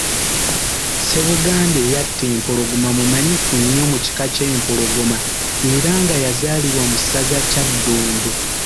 Ssebuganda eyatta empologoma mumanyifu nnyo mu kika ky’Empologoma era nga yazaalibwa mu ssaza Kyaddondo.